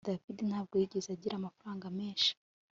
David ntabwo yigeze agira amafaranga menshi